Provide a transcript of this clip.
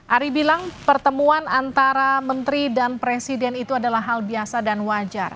ari bilang pertemuan antara menteri dan presiden itu adalah hal biasa dan wajar